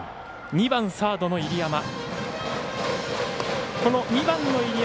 ２番サードの入山。